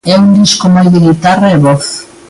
É un disco moi de guitarra e voz.